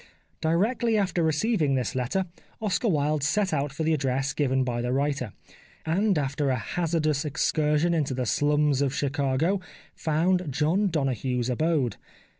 Directly after receiving this letter Oscar Wilde set out for the address given by the writer, and after a hazardous excursion into the slums of Chicago found John Donoghue's abode.